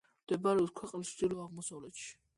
მდებარეობს ქვეყნის ჩრდილო-აღმოსავლეთში.